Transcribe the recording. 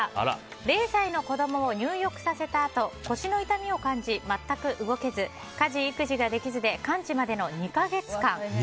０歳の子供を入浴させたあと腰の痛みを感じ全く動けず家事・育児ができずで完治まで２か月間。